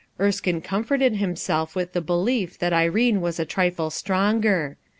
Erskine comforted himself with the belief that Irene was a trifle stronger.